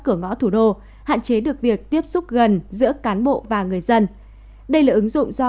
cửa ngõ thủ đô hạn chế được việc tiếp xúc gần giữa cán bộ và người dân đây là ứng dụng do